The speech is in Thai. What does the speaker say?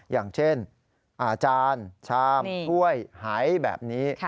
อย่างเช่นอาจารย์ชามถ้วยหายแบบนี้